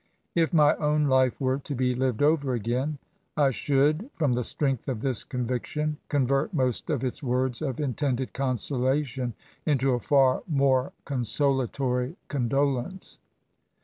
If my own Jife were to be Eyed over again, I should, from the strength of this conviction, convert Itiost of its words of intended eonsolation into a far more consolatory condolence.